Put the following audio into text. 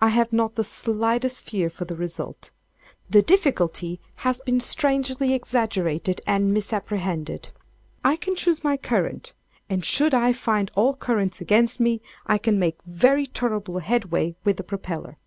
I have not the slightest fear for the result. The difficulty has been strangely exaggerated and misapprehended. I can choose my current, and should I find all currents against me, I can make very tolerable headway with the propeller.